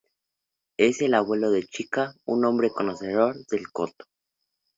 Es el abuelo de Chika, un hombre conocedor del koto.